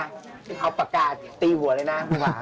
เอาปากกาตีหัวเลยนะ